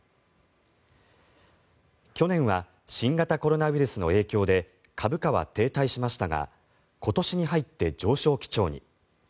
去年は新型コロナウイルスの影響で株価は停滞しましたが今年に入って上昇基調に。